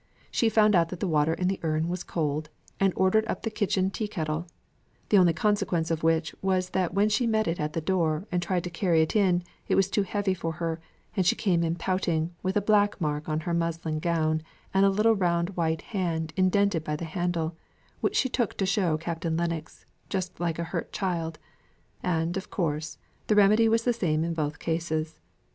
She found out that the water in the urn was cold, and ordered up the great kitchen tea kettle; the only consequence of which was that when she met it at the door, and tried to carry it in, it was too heavy for her, and she came in pouting, with a black mark on her muslin gown, and a little round white hand indented by the handle, which she took to show to Captain Lennox, just like a hurt child, and, of course, the remedy was the same in both cases.